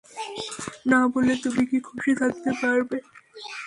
না বলে তুমি কি খুশি থাকতে পারবে?